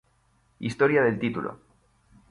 Historia del Título.